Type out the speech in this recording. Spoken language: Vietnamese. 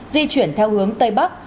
di chuyển theo hướng tây bắc